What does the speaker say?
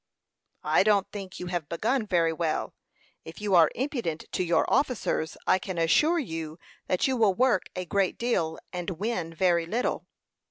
"I don't think you have begun very well. If you are impudent to your officers, I can assure you that you will work a great deal and win very little.